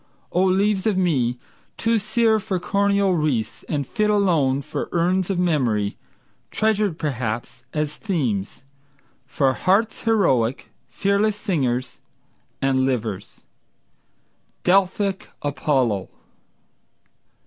O leaves of me Too sere for coronal wreaths, and fit alone For urns of memory, treasured, perhaps, as themes For hearts heroic, fearless singers and livers— Delphic Apollo!